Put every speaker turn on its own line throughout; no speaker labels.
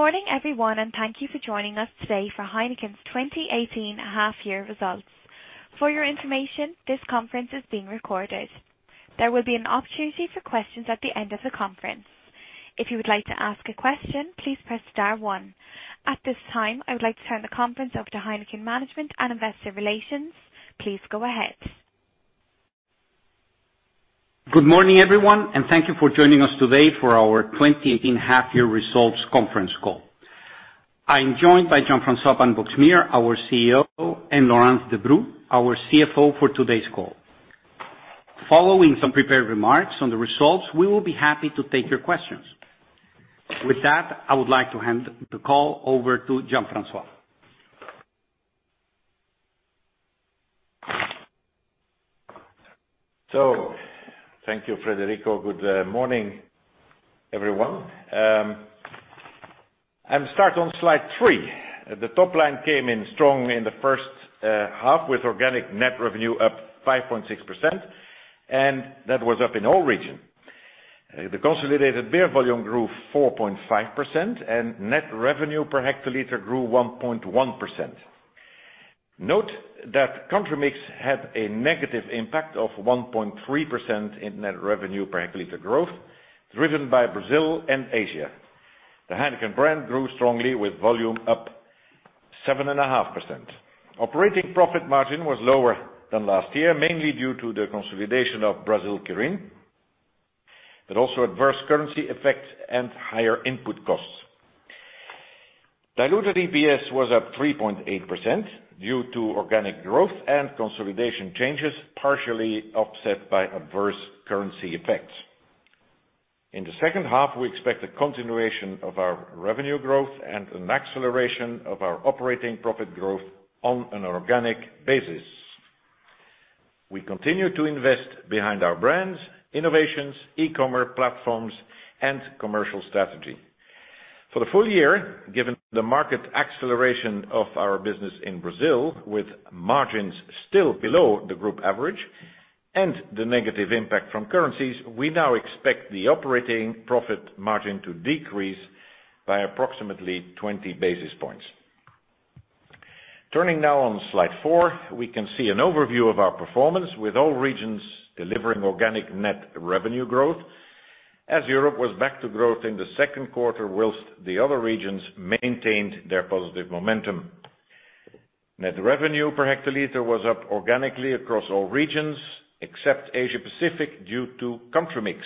Good morning, everyone, and thank you for joining us today for Heineken's 2018 half-year results. For your information, this conference is being recorded. There will be an opportunity for questions at the end of the conference. If you would like to ask a question, please press star one. At this time, I would like to turn the conference over to Heineken management and investor relations. Please go ahead.
Good morning, everyone, and thank you for joining us today for our 2018 half-year results conference call. I am joined by Jean-François van Boxmeer, our CEO, and Laurence Debroux, our CFO, for today's call. Following some prepared remarks on the results, we will be happy to take your questions. With that, I would like to hand the call over to Jean-François.
Thank you, Federico. Good morning, everyone. I'll start on slide three. The top line came in strong in the first half, with organic net revenue up 5.6%, and that was up in all regions. The consolidated beer volume grew 4.5%, and net revenue per hectoliter grew 1.1%. Note that country mix had a negative impact of 1.3% in net revenue per hectoliter growth, driven by Brazil and Asia. The Heineken brand grew strongly with volume up 7.5%. Operating profit margin was lower than last year, mainly due to the consolidation of Brasil Kirin, but also adverse currency effects and higher input costs. Diluted EPS was up 3.8% due to organic growth and consolidation changes, partially offset by adverse currency effects. In the second half, we expect a continuation of our revenue growth and an acceleration of our operating profit growth on an organic basis. We continue to invest behind our brands, innovations, e-commerce platforms, and commercial strategy. For the full year, given the market acceleration of our business in Brazil with margins still below the group average and the negative impact from currencies, we now expect the operating profit margin to decrease by approximately 20 basis points. Turning now on slide four, we can see an overview of our performance with all regions delivering organic net revenue growth as Europe was back to growth in the second quarter, whilst the other regions maintained their positive momentum. Net revenue per hectoliter was up organically across all regions except Asia-Pacific due to country mix.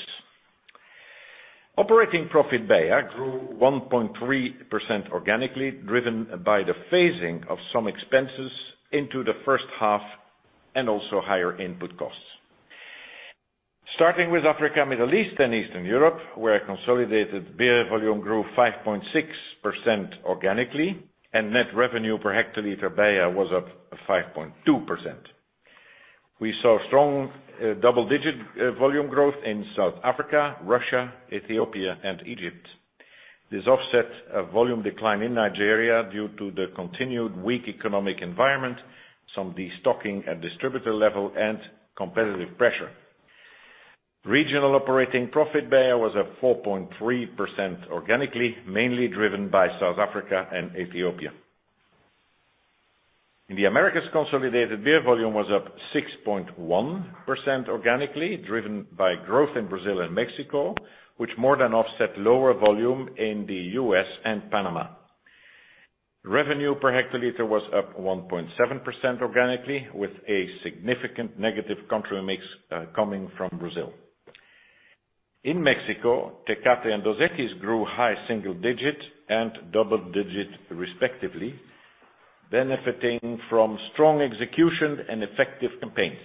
Operating profit BEIA grew 1.3% organically, driven by the phasing of some expenses into the first half and also higher input costs. Starting with Africa, Middle East, and Eastern Europe, where consolidated beer volume grew 5.6% organically and net revenue per hectoliter BEIA was up 5.2%. We saw strong double-digit volume growth in South Africa, Russia, Ethiopia, and Egypt. This offset a volume decline in Nigeria due to the continued weak economic environment, some de-stocking at distributor level, and competitive pressure. Regional operating profit BEIA was up 4.3% organically, mainly driven by South Africa and Ethiopia. In the Americas, consolidated beer volume was up 6.1% organically, driven by growth in Brazil and Mexico, which more than offset lower volume in the U.S. and Panama. Revenue per hectoliter was up 1.7% organically, with a significant negative country mix coming from Brazil. In Mexico, Tecate and Dos Equis grew high single digits and double digits respectively, benefiting from strong execution and effective campaigns.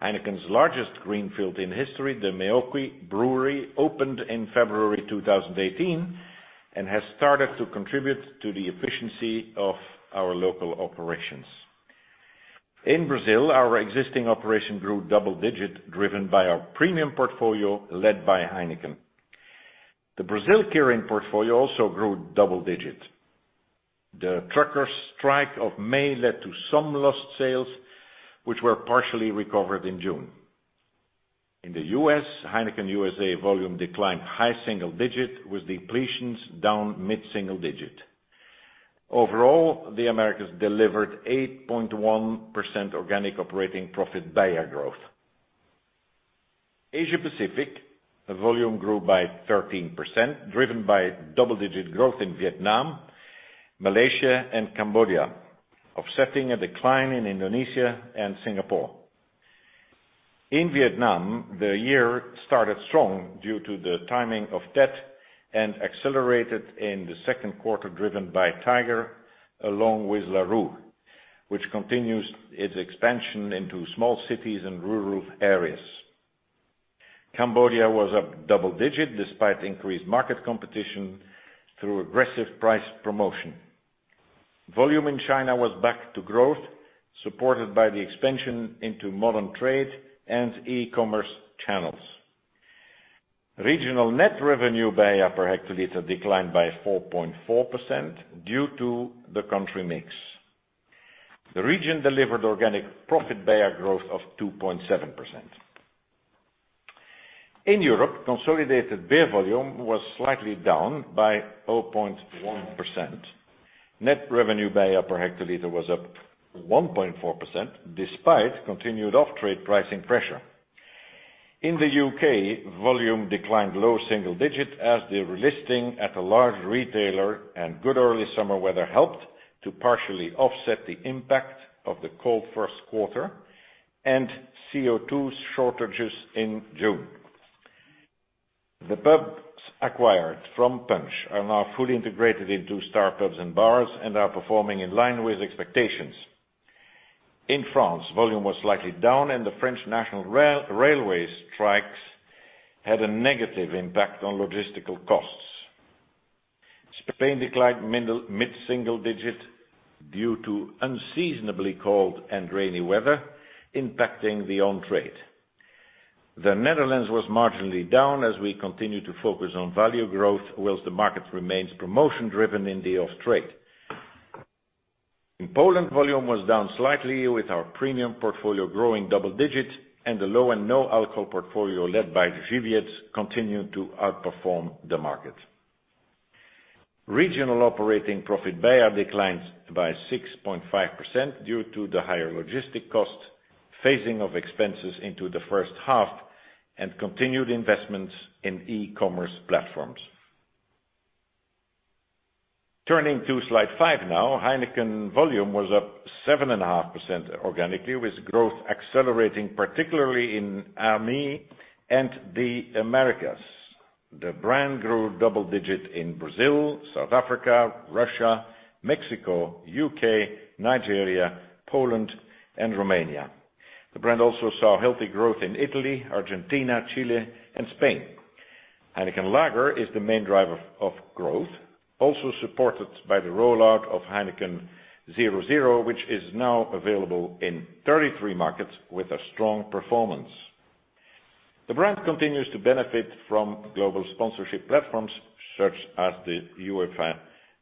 Heineken's largest greenfield in history, the Meoqui brewery, opened in February 2018 and has started to contribute to the efficiency of our local operations. In Brazil, our existing operation grew double digits, driven by our premium portfolio led by Heineken. The Brasil Kirin portfolio also grew double digits. The trucker strike of May led to some lost sales, which were partially recovered in June. In the U.S., Heineken USA volume declined high single digits, with depletions down mid-single digits. Overall, the Americas delivered 8.1% organic operating profit BEIA growth. Asia-Pacific volume grew by 13%, driven by double-digit growth in Vietnam, Malaysia, and Cambodia, offsetting a decline in Indonesia and Singapore. In Vietnam, the year started strong due to the timing of Tet and accelerated in the second quarter, driven by Tiger along with Larue, which continues its expansion into small cities and rural areas. Cambodia was up double digits despite increased market competition through aggressive price promotion. Volume in China was back to growth, supported by the expansion into modern trade and e-commerce channels. Regional net revenue BEIA per hectoliter declined by 4.4% due to the country mix. The region delivered organic profit BEIA growth of 2.7%. In Europe, consolidated beer volume was slightly down by 0.1%. Net revenue per hectoliter was up 1.4%, despite continued off-trade pricing pressure. In the U.K., volume declined low single digit as the relisting at a large retailer and good early summer weather helped to partially offset the impact of the cold first quarter, and CO2 shortages in June. The pubs acquired from Punch are now fully integrated into Star Pubs & Bars and are performing in line with expectations. In France, volume was slightly down, and the French National Railway strikes had a negative impact on logistical costs. Spain declined mid-single digit due to unseasonably cold and rainy weather impacting the on-trade. The Netherlands was marginally down as we continue to focus on value growth whilst the market remains promotion driven in the off-trade. In Poland, volume was down slightly with our premium portfolio growing double digits and the low and no alcohol portfolio led by Żywiec continued to outperform the market. Regional operating profit BEIA declines by 6.5% due to the higher logistic costs, phasing of expenses into the first half, and continued investments in e-commerce platforms. Turning to slide five now. Heineken volume was up 7.5% organically, with growth accelerating particularly in AME and the Americas. The brand grew double digit in Brazil, South Africa, Russia, Mexico, U.K., Nigeria, Poland, and Romania. The brand also saw healthy growth in Italy, Argentina, Chile, and Spain. Heineken Lager is the main driver of growth, also supported by the rollout of Heineken 0.0, which is now available in 33 markets with a strong performance. The brand continues to benefit from global sponsorship platforms such as the UEFA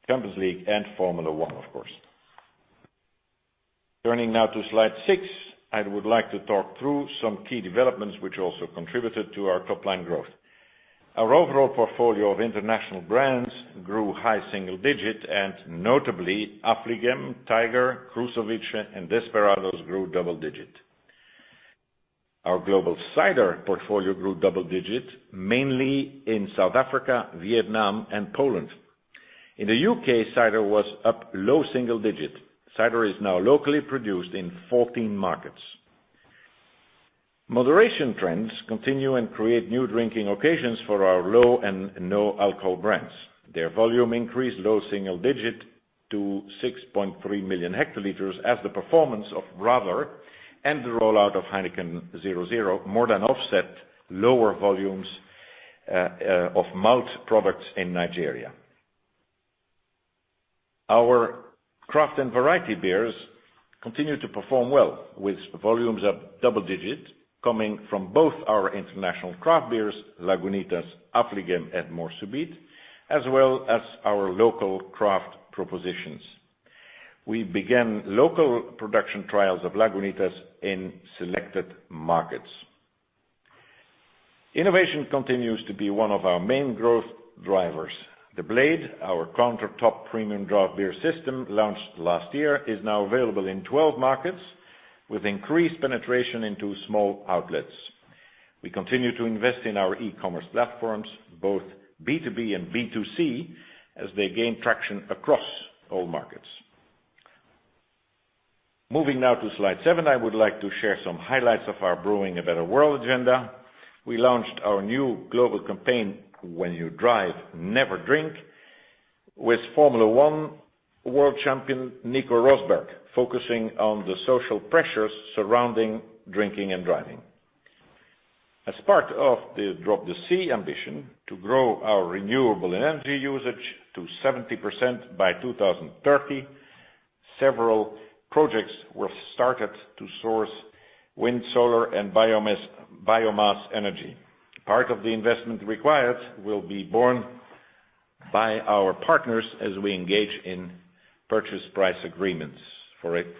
Champions League and Formula 1, of course. Turning now to slide six, I would like to talk through some key developments which also contributed to our top-line growth. Our overall portfolio of international brands grew high single digit and notably Affligem, Tiger, Krušovice, and Desperados grew double digit. Our global cider portfolio grew double digit mainly in South Africa, Vietnam, and Poland. In the U.K., cider was up low single digit. Cider is now locally produced in 14 markets. Moderation trends continue and create new drinking occasions for our low and no alcohol brands. Their volume increased low single digit to 6.3 million hectoliters as the performance of Radler and the rollout of Heineken 0.0 more than offset lower volumes of malt products in Nigeria. Our craft and variety beers continue to perform well, with volumes up double digits coming from both our international craft beers, Lagunitas, Affligem, and Birra Moretti, as well as our local craft propositions. We began local production trials of Lagunitas in selected markets. Innovation continues to be one of our main growth drivers. The Blade, our countertop premium draft beer system launched last year, is now available in 12 markets with increased penetration into small outlets. We continue to invest in our e-commerce platforms, both B2B and B2C, as they gain traction across all markets. Moving now to slide seven, I would like to share some highlights of our Brewing a Better World agenda. We launched our new global campaign, When You Drive, Never Drink, with Formula 1 World Champion Nico Rosberg focusing on the social pressures surrounding drinking and driving. As part of the Drop the C ambition to grow our renewable energy usage to 70% by 2030, several projects were started to source wind, solar, and biomass energy. Part of the investment required will be borne by our partners as we engage in purchase price agreements.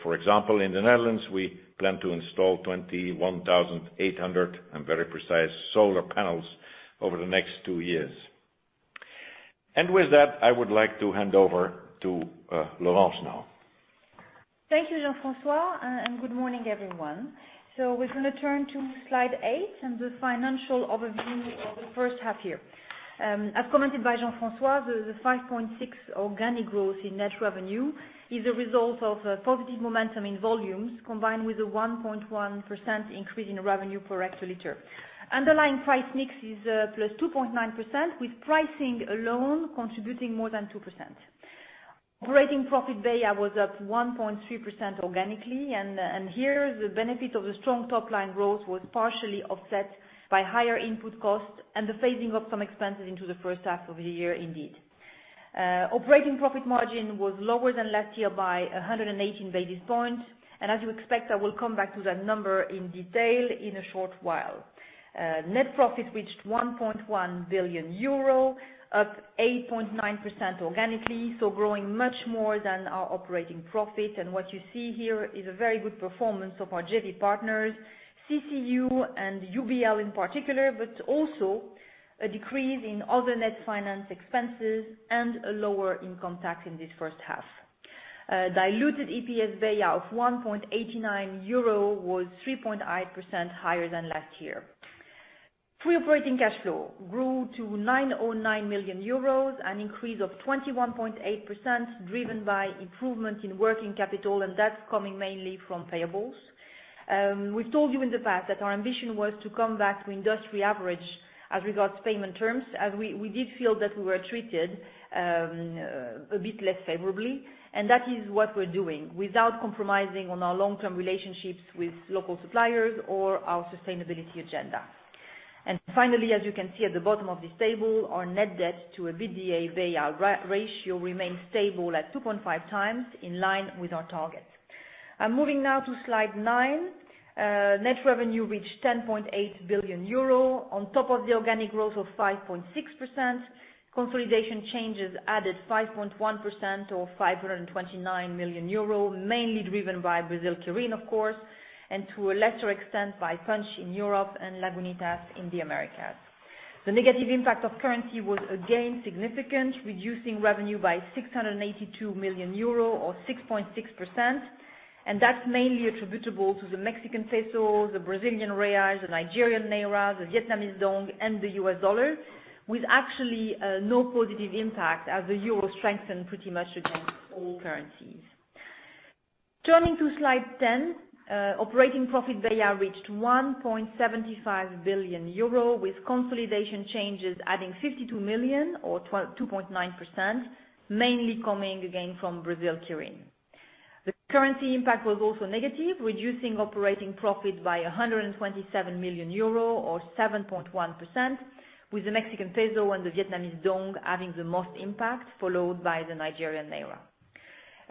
For example, in the Netherlands, we plan to install 21,800, I'm very precise, solar panels over the next two years. With that, I would like to hand over to Laurence now.
Thank you, Jean-François, good morning, everyone. We're going to turn to slide eight and the financial overview of the first half year. As commented by Jean-François, the 5.6% organic growth in net revenue is a result of a positive momentum in volumes, combined with a 1.1% increase in net revenue per hectoliter. Underlying price mix is +2.9%, with pricing alone contributing more than 2%. Operating profit BEIA was up 1.3% organically, here the benefit of the strong top-line growth was partially offset by higher input costs and the phasing of some expenses into the first half of the year indeed. Operating profit margin was lower than last year by 118 basis points. As you expect, I will come back to that number in detail in a short while. Net profit reached 1.1 billion euro, up 8.9% organically, growing much more than our operating profit. What you see here is a very good performance of our JV partners, CCU and UBL in particular, but also a decrease in other net finance expenses and a lower income tax in this first half. Diluted EPS BEIA of 1.89 euro was 3.8% higher than last year. Free operating cash flow grew to 909 million euros, an increase of 21.8%, driven by improvement in working capital, That's coming mainly from payables. We've told you in the past that our ambition was to come back to industry average as regards payment terms, as we did feel that we were treated a bit less favorably, That is what we're doing. Without compromising on our long-term relationships with local suppliers or our sustainability agenda. Finally, as you can see at the bottom of this table, our net debt to EBITDA ratio remains stable at 2.5 times, in line with our target. Moving now to slide nine. Net revenue reached 10.8 billion euro, on top of the organic growth of 5.6%. Consolidation changes added 5.1% or 529 million euro, mainly driven by Brasil Kirin, of course, and to a lesser extent, by Punch in Europe and Lagunitas in the Americas. The negative impact of currency was again significant, reducing revenue by 682 million euro, or 6.6%, That's mainly attributable to the Mexican peso, the Brazilian reais, the Nigerian naira, the Vietnamese đồng, and the US dollar, with actually no positive impact as the euro strengthened pretty much against all currencies. Turning to slide 10, Operating profit BEIA reached 1.75 billion euro, with consolidation changes adding 52 million EUR or 2.9%, mainly coming again from Brasil Kirin. The currency impact was also negative, reducing operating profit by 127 million euro or 7.1%, with the Mexican peso and the Vietnamese đồng having the most impact, followed by the Nigerian naira.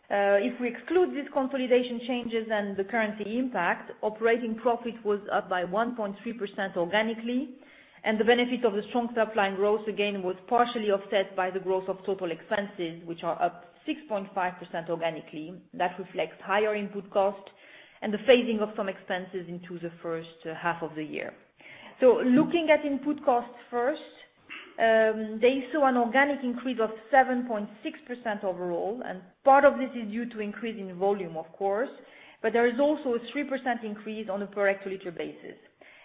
If we exclude these consolidation changes and the currency impact, operating profit was up by 1.3% organically, the benefit of the strong top-line growth, again, was partially offset by the growth of total expenses, which are up 6.5% organically. That reflects higher input cost and the phasing of some expenses into the first half of the year. Looking at input costs first, they saw an organic increase of 7.6% overall, part of this is due to increase in volume, of course, but there is also a 3% increase on a per-hectoliter basis.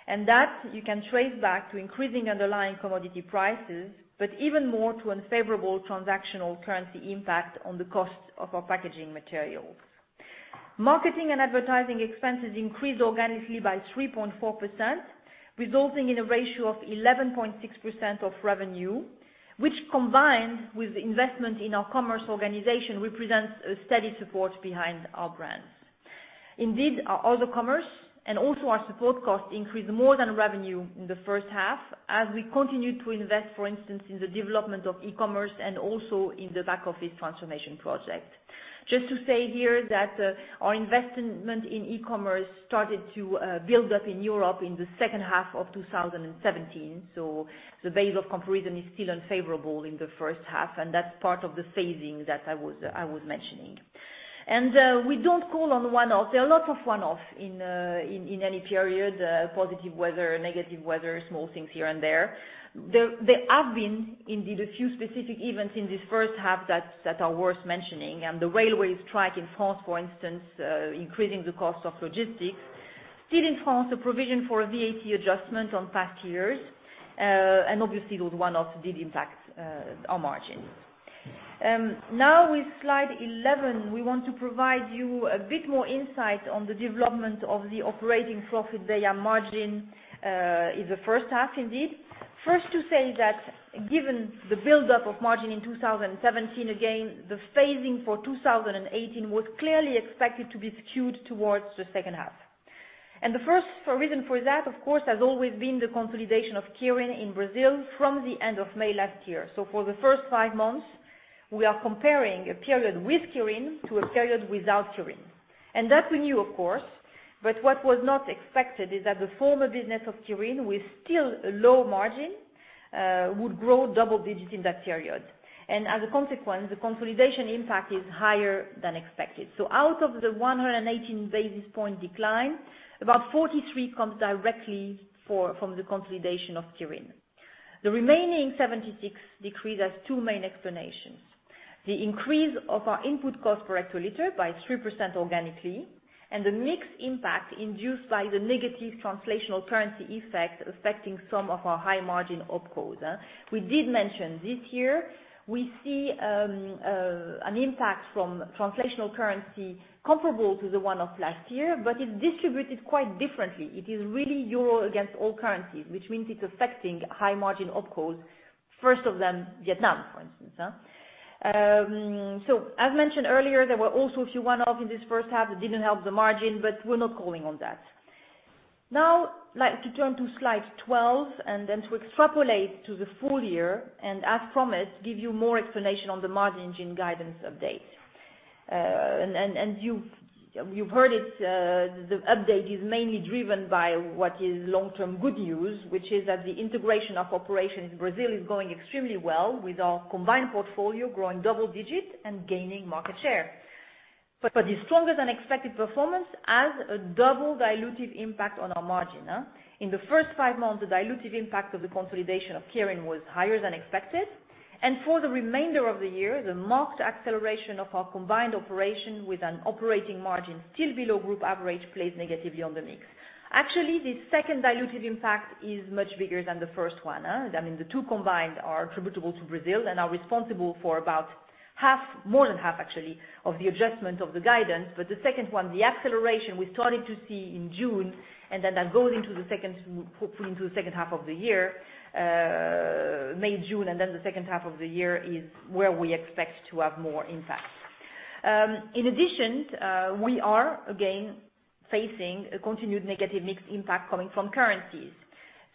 That you can trace back to increasing underlying commodity prices, but even more to unfavorable transactional currency impact on the cost of our packaging materials. Marketing and advertising expenses increased organically by 3.4%, resulting in a ratio of 11.6% of revenue, which, combined with investment in our commerce organization, represents a steady support behind our brands. Indeed, all the commerce and also our support costs increased more than revenue in the first half as we continued to invest, for instance, in the development of e-commerce and also in the back-office transformation project. Just to say here that our investment in e-commerce started to build up in Europe in the second half of 2017, so the base of comparison is still unfavorable in the first half, and that's part of the phasing that I was mentioning. We don't call on one-offs. There are lots of one-offs in any period, positive weather, negative weather, small things here and there. There have been, indeed, a few specific events in this first half that are worth mentioning, the railways strike in France, for instance, increasing the cost of logistics. Still in France, a provision for a VAT adjustment on past years, obviously, those one-offs did impact our margins. With slide eleven, we want to provide you a bit more insight on the development of the operating profit-BEIA margin, in the first half, indeed. First to say that given the buildup of margin in 2017, again, the phasing for 2018 was clearly expected to be skewed towards the second half. The first reason for that, of course, has always been the consolidation of Kirin in Brazil from the end of May last year. For the first five months, we are comparing a period with Kirin to a period without Kirin. That we knew, of course, but what was not expected is that the former business of Kirin, with still low margin, would grow double digits in that period. As a consequence, the consolidation impact is higher than expected. Out of the 118 basis points decline, about 43 comes directly from the consolidation of Kirin. The remaining 76 decrease has two main explanations. The increase of our input cost per hectoliter by 3% organically, and the mix impact induced by the negative translational currency effect affecting some of our high-margin OpCos. We did mention this year we see an impact from translational currency comparable to the one of last year, but it distributed quite differently. It is really EUR against all currencies, which means it's affecting high-margin OpCos, first of them, Vietnam, for instance. As mentioned earlier, there were also a few one-offs in this first half that didn't help the margin, but we're not calling on that. Like to turn to slide twelve, then to extrapolate to the full year, as promised, give you more explanation on the margin guidance update. You've heard it, the update is mainly driven by what is long-term good news, which is that the integration of operations in Brazil is going extremely well with our combined portfolio growing double digits and gaining market share. The stronger-than-expected performance has a double dilutive impact on our margin. In the first five months, the dilutive impact of the consolidation of Kirin was higher than expected. For the remainder of the year, the marked acceleration of our combined operation with an operating margin still below group average plays negatively on the mix. Actually, the second dilutive impact is much bigger than the first one. The two combined are attributable to Brazil and are responsible for about more than half actually of the adjustment of the guidance. The second one, the acceleration we started to see in June, that goes into the second half of the year. May, June, the second half of the year is where we expect to have more impact. In addition, we are again facing a continued negative mix impact coming from currencies.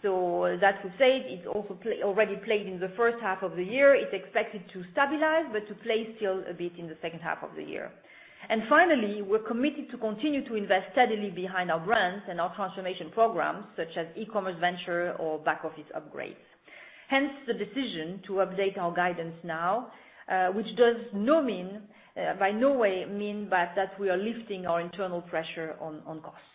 That to say, it's also already played in the first half of the year. It's expected to stabilize, but to play still a bit in the second half of the year. Finally, we're committed to continue to invest steadily behind our brands and our transformation programs such as e-commerce venture or back-office upgrades. Hence, the decision to update our guidance now, which does by no way mean that we are lifting our internal pressure on costs.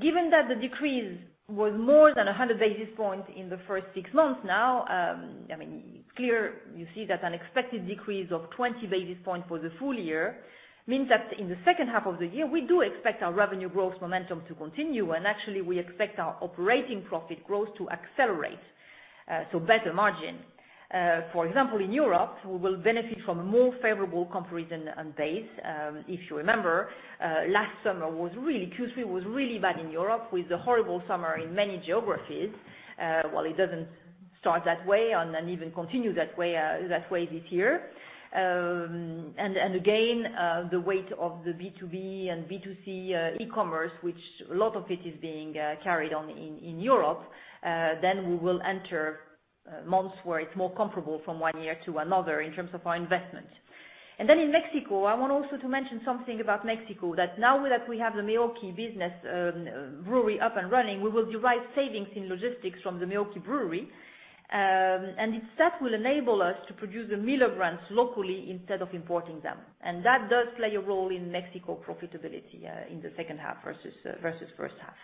Given that the decrease was more than 100 basis points in the first six months now, it's clear you see that an expected decrease of 20 basis points for the full year means that in the second half of the year, we do expect our revenue growth momentum to continue. Actually, we expect our operating profit growth to accelerate, so better margin. For example, in Europe, we will benefit from more favorable comparison on BASE. If you remember, last summer, Q3 was really bad in Europe with a horrible summer in many geographies. While it doesn't start that way and even continue that way this year. Again, the weight of the B2B and B2C e-commerce, which a lot of it is being carried on in Europe, then we will enter months where it's more comparable from one year to another in terms of our investment. In Mexico, I want also to mention something about Mexico, that now that we have the Meoqui brewery up and running, we will derive savings in logistics from the Meoqui brewery. Itself will enable us to produce the Miller brands locally instead of importing them. That does play a role in Mexico profitability in the second half versus first half.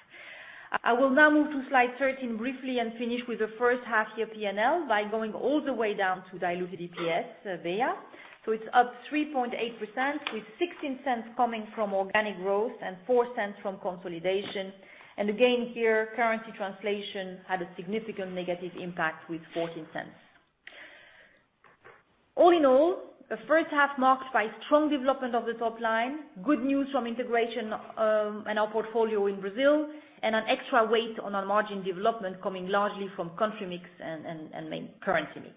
I will now move to slide 13 briefly and finish with the first half year P&L by going all the way down to diluted EPS, VEA. It's up 3.8% with 0.16 coming from organic growth and 0.04 from consolidation. Again here, currency translation had a significant negative impact with 0.14. All in all, the first half marked by strong development of the top line, good news from integration, and our portfolio in Brazil, and an extra weight on our margin development coming largely from country mix and main currency mix.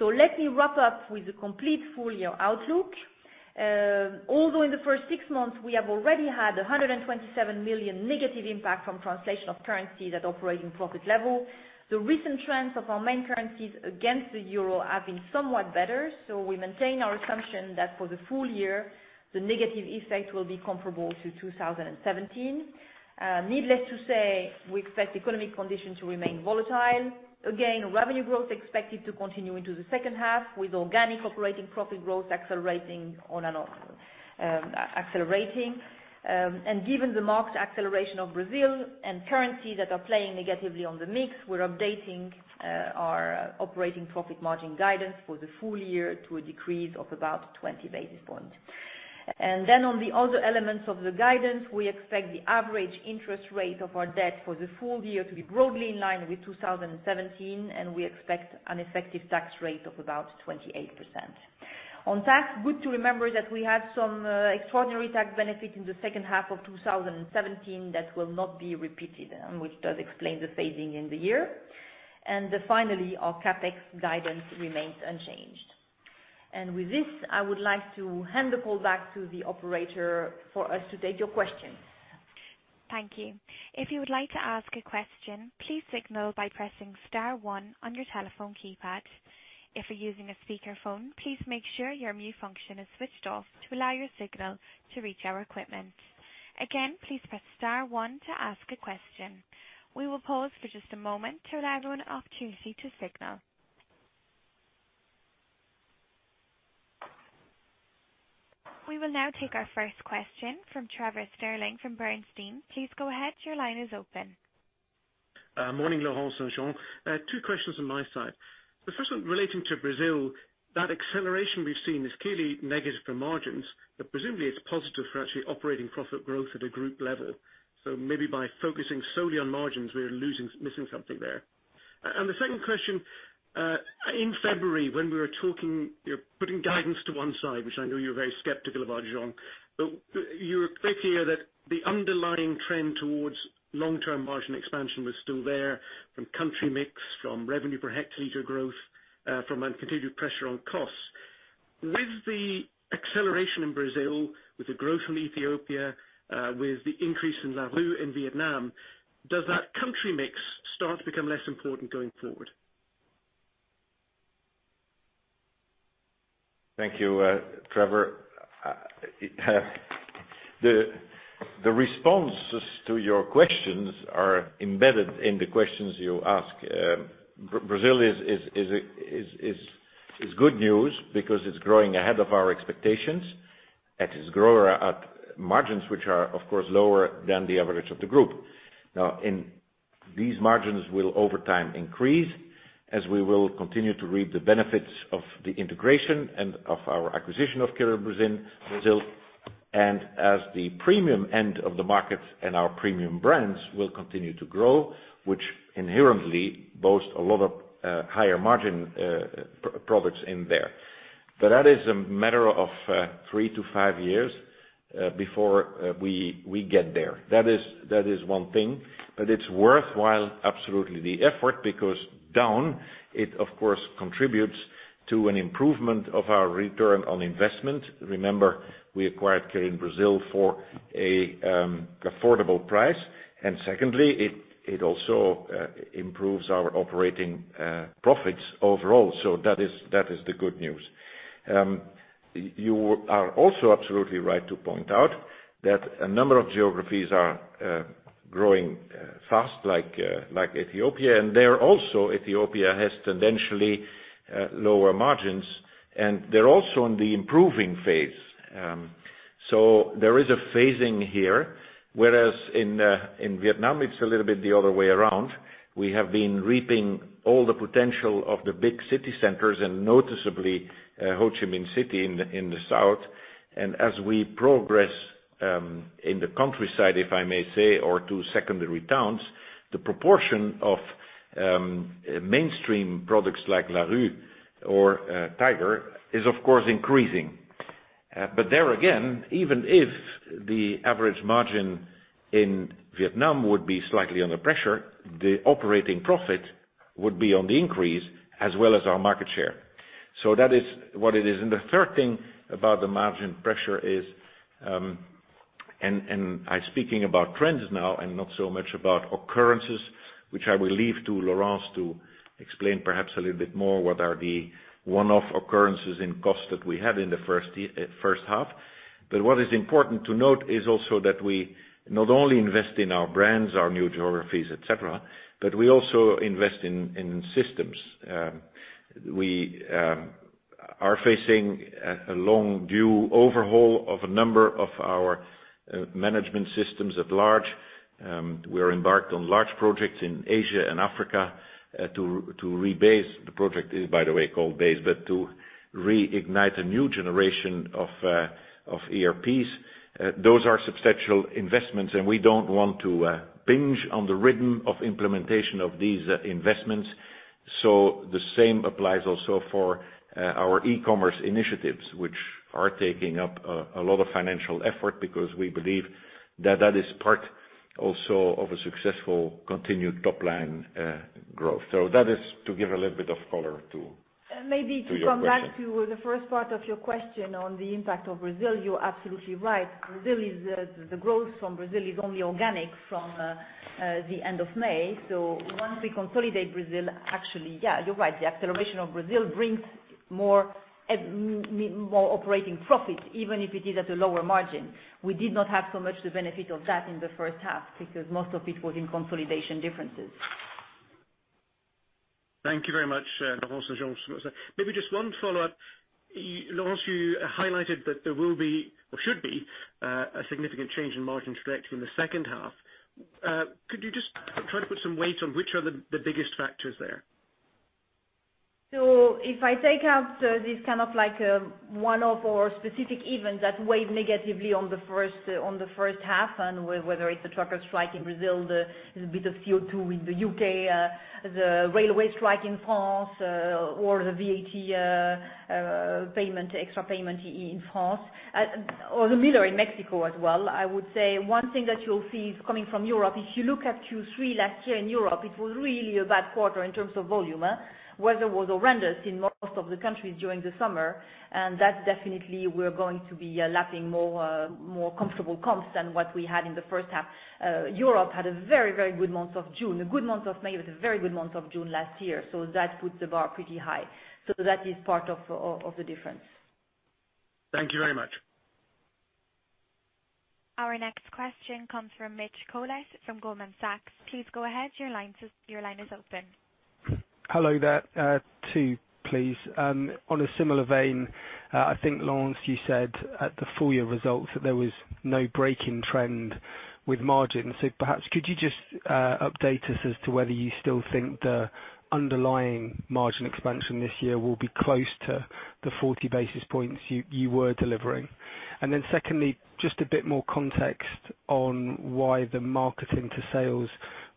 Let me wrap up with the complete full year outlook. Although in the first six months, we have already had 127 million negative impact from translation of currencies at operating profit level, the recent trends of our main currencies against the euro have been somewhat better. We maintain our assumption that for the full year, the negative effect will be comparable to 2017. Needless to say, we expect economic conditions to remain volatile. Again, revenue growth expected to continue into the second half, with organic operating profit growth accelerating. Given the marked acceleration of Brazil and currencies that are playing negatively on the mix, we're updating our operating profit margin guidance for the full year to a decrease of about 20 basis points. Then on the other elements of the guidance, we expect the average interest rate of our debt for the full year to be broadly in line with 2017, and we expect an effective tax rate of about 28%. On tax, good to remember that we have some extraordinary tax benefit in the second half of 2017 that will not be repeated, and which does explain the phasing in the year. Finally, our CapEx guidance remains unchanged. With this, I would like to hand the call back to the operator for us to take your questions.
Thank you. If you would like to ask a question, please signal by pressing star one on your telephone keypad. If you're using a speaker phone, please make sure your mute function is switched off to allow your signal to reach our equipment. Again, please press star one to ask a question. We will pause for just a moment to allow everyone an opportunity to signal. We will now take our first question from Trevor Stirling from Bernstein. Please go ahead. Your line is open.
Morning, Laurence, Jean. Two questions on my side. The first one relating to Brazil, that acceleration we've seen is clearly negative for margins, but presumably it's positive for actually operating profit growth at a group level. Maybe by focusing solely on margins, we're missing something there. The second question, in February when we were talking, putting guidance to one side, which I know you're very skeptical about, Jean, but you were clear that the underlying trend towards long-term margin expansion was still there from country mix, from revenue per hectoliter growth, from continued pressure on costs. With the acceleration in Brazil, with the growth from Ethiopia, with the increase in Larue in Vietnam, does that country mix start to become less important going forward?
Thank you, Trevor. The responses to your questions are embedded in the questions you ask. Brazil is good news because it's growing ahead of our expectations
At its grower margins, which are of course lower than the average of the group. These margins will, over time, increase as we will continue to reap the benefits of the integration and of our acquisition of Kirin in Brazil, and as the premium end of the market and our premium brands will continue to grow, which inherently boast a lot of higher margin products in there. That is a matter of three to five years before we get there. That is one thing, it's worthwhile, absolutely the effort, because down, it of course contributes to an improvement of our return on investment. Remember, we acquired Kirin Brazil for an affordable price, secondly, it also improves our operating profits overall. That is the good news. You are also absolutely right to point out that a number of geographies are growing fast, like Ethiopia, there also, Ethiopia has tendentially lower margins, they're also in the improving phase. There is a phasing here, whereas in Vietnam, it's a little bit the other way around. We have been reaping all the potential of the big city centers and noticeably, Ho Chi Minh City in the south. As we progress in the countryside, if I may say, or to secondary towns, the proportion of mainstream products like Larue or Tiger is, of course, increasing. There again, even if the average margin in Vietnam would be slightly under pressure, the operating profit would be on the increase as well as our market share. That is what it is. The third thing about the margin pressure is, I'm speaking about trends now and not so much about occurrences, which I will leave to Laurence to explain perhaps a little bit more what are the one-off occurrences in costs that we had in the first half. What is important to note is also that we not only invest in our brands, our new geographies, et cetera, we also invest in systems. We are facing a long-due overhaul of a number of our management systems at large. We are embarked on large projects in Asia and Africa to re-BASE, the project is by the way called BASE, to reignite a new generation of ERPs. Those are substantial investments, we don't want to binge on the rhythm of implementation of these investments. The same applies also for our e-commerce initiatives, which are taking up a lot of financial effort because we believe that that is part also of a successful continued top-line growth. That is to give a little bit of color to your question.
To come back to the first part of your question on the impact of Brazil. You're absolutely right. The growth from Brazil is only organic from the end of May. Once we consolidate Brazil, actually, yeah, you're right. The acceleration of Brazil brings more operating profit, even if it is at a lower margin. We did not have so much the benefit of that in the first half because most of it was in consolidation differences.
Thank you very much, Laurence and Jean-François. Just one follow-up. Laurence, you highlighted that there will be or should be a significant change in margin trajectory in the second half. Could you just try to put some weight on which are the biggest factors there?
If I take out this kind of like one-off or specific event that weighed negatively on the first half, whether it's the trucker strike in Brazil, the bit of CO2 in the U.K., the railway strike in France or the VAT extra payment in France or the Miller in Mexico as well. I would say one thing that you'll see is coming from Europe, if you look at Q3 last year in Europe, it was really a bad quarter in terms of volume. Weather was horrendous in most of the countries during the summer. That definitely we're going to be lapping more comfortable comps than what we had in the first half. Europe had a very good month of June, a good month of May, a very good month of June last year. That puts the bar pretty high. That is part of the difference.
Thank you very much.
Our next question comes from Mitch Collett from Goldman Sachs. Please go ahead. Your line is open.
Hello there. Two, please. On a similar vein, I think, Laurence, you said at the full year results that there was no break in trend with margins. Perhaps could you just update us as to whether you still think the underlying margin expansion this year will be close to the 40 basis points you were delivering? Then secondly, just a bit more context on why the marketing to sales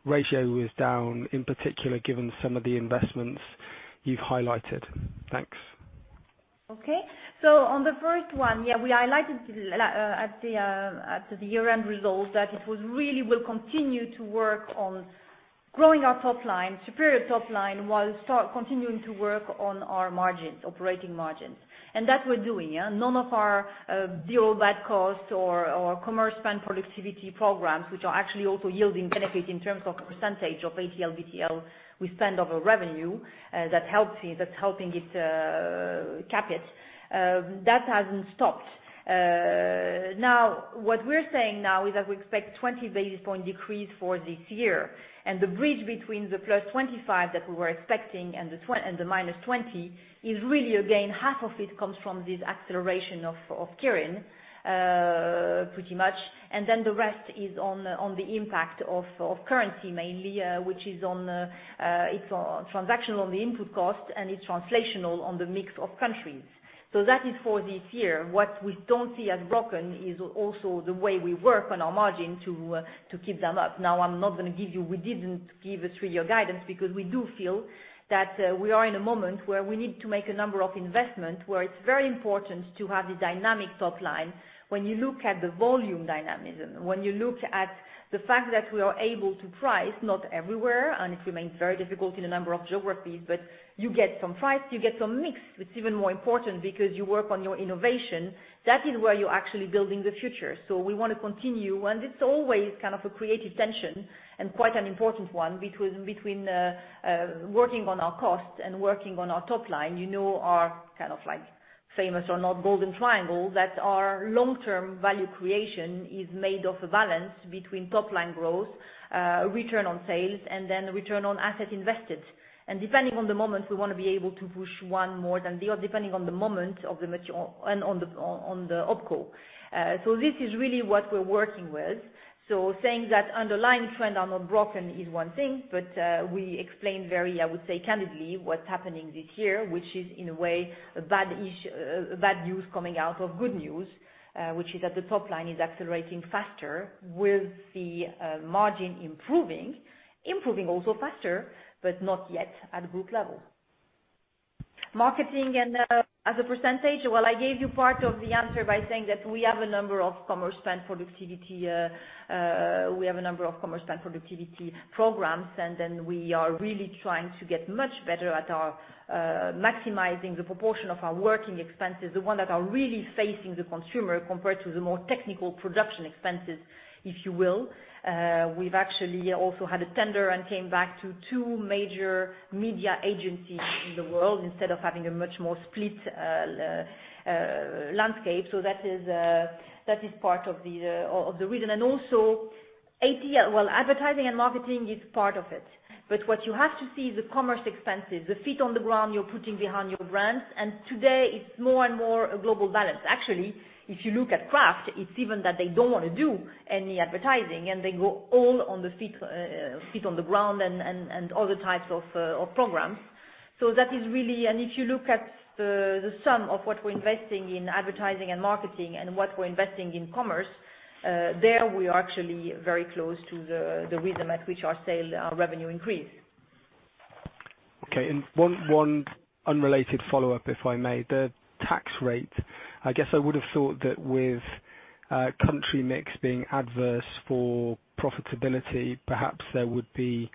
ratio is down in particular, given some of the investments you've highlighted. Thanks.
Okay. On the first one, yeah, we highlighted at the year-end results that it was really we'll continue to work on growing our top line, superior top line, while continuing to work on our margins, operating margins. That we're doing. None of our deal bad cost or commerce spend productivity programs, which are actually also yielding benefit in terms of percentage of ATL, BTL we spend of our revenue. That's helping it cap it. That hasn't stopped. Now, what we're saying now is that we expect 20 basis point decrease for this year. The bridge between the plus 25 that we were expecting and the minus 20 is really, again, half of it comes from this acceleration of Kirin, pretty much. The rest is on the impact of currency mainly, which is on transactional on the input cost, and it's translational on the mix of countries. That is for this year. What we do not see as broken is also the way we work on our margin to keep them up. We did not give a three-year guidance because we do feel that we are in a moment where we need to make a number of investments, where it's very important to have a dynamic top line. When you look at the volume dynamism, when you look at the fact that we are able to price, not everywhere, and it remains very difficult in a number of geographies, but you get some price, you get some mix, it's even more important because you work on your innovation. That is where you are actually building the future. We want to continue, and it's always kind of a creative tension and quite an important one between working on our costs and working on our top line. You know our, kind of like famous or not golden triangle, that our long-term value creation is made of a balance between top-line growth, return on sales, and return on asset invested. Depending on the moment, we want to be able to push one more than the other, depending on the moment of the mature and on the OpCo. This is really what we are working with. Saying that underlying trend are not broken is one thing, we explained very, I would say, candidly, what is happening this year, which is in a way a bad news coming out of good news, which is that the top line is accelerating faster with the margin improving. Improving also faster, but not yet at group level. Marketing and, as a percentage, well, I gave you part of the answer by saying that we have a number of commerce and productivity programs, and we are really trying to get much better at our maximizing the proportion of our working expenses, the one that are really facing the consumer, compared to the more technical production expenses, if you will. We have actually also had a tender and came back to two major media agencies in the world instead of having a much more split landscape. That is part of the reason. Also, ATL, well, advertising and marketing is part of it. What you have to see is the commerce expenses, the feet on the ground you are putting behind your brands. Today it is more and more a global balance. Actually, if you look at Craft, it is even that they do not want to do any advertising, and they go all on the feet on the ground and other types of programs. If you look at the sum of what we are investing in advertising and marketing and what we are investing in commerce, there we are actually very close to the rhythm at which our revenue increase.
Okay. One unrelated follow-up, if I may. The tax rate, I guess I would have thought that with country mix being adverse for profitability, perhaps there would be